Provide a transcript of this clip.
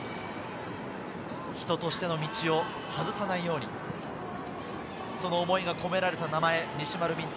人としての道を外さないように、その思いが込められた名前、西丸道人。